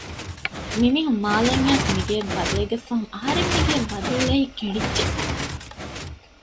މިމީހުން މާލެއިން އައިސް މިގެޔަށް ގަދަވެގަތް ފަހުން އަހަރެން މިގެޔަށް ވަދެއުޅޭ ހިތް ކެނޑިއްޖެ